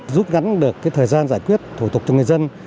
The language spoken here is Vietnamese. giúp gắn được thời gian giải quyết thủ tục cho người dân